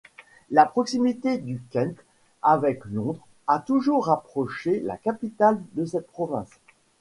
La proximité du Kent avec Londres a toujours rapproché la capitale de cette province.